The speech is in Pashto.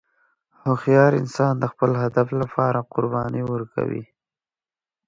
هوښیار انسان د خپل هدف لپاره قرباني ورکوي.